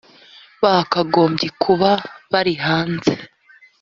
bakagombye kuba bari hanze